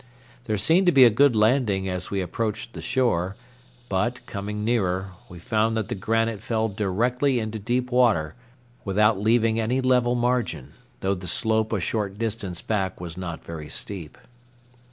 There seemed to be a good landing as we approached the shore, but, coming nearer, we found that the granite fell directly into deep water without leading any level margin, though the slope a short distance back was not very steep.